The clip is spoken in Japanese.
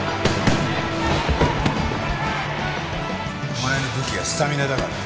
お前の武器はスタミナだからな。